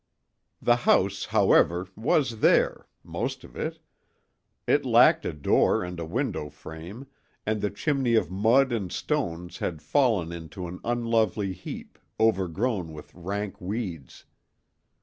The house, however, was there, most of it. It lacked a door and a window frame, and the chimney of mud and stones had fallen into an unlovely heap, overgrown with rank weeds.